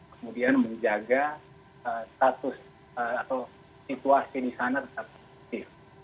kemudian menjaga status atau situasi di sana tetap positif